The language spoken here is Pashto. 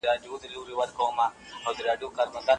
ما د کابل په بازارونو کې ډېره ګڼه ګوڼه ولیده.